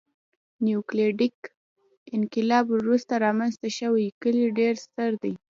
نیولیتیک انقلاب وروسته رامنځته شوي کلي ډېر ستر دي.